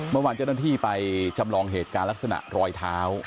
เมื่อวานเจ้าหน้าที่ไปจำลองเหตุการณ์ลักษณะรอยเท้า